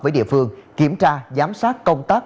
với địa phương kiểm tra giám sát công tác